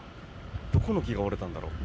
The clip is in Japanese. どこの木が折れたんだろう。